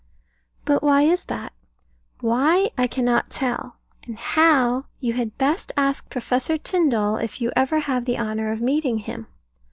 But why is that? Why, I cannot tell: and how, you had best ask Professor Tyndall, if you ever have the honour of meeting him.